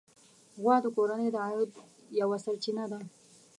غوا د کورنۍ د عاید یوه سرچینه ده.